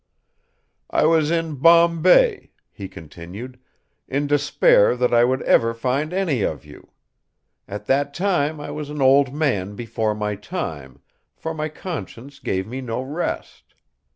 "I was in Bombay," he continued, "in despair that I would ever find any of you. At that time I was an old man before my time, for my conscience gave me no rest.